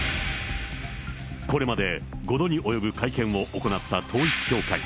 これまで５度に及ぶ会見を行った統一教会。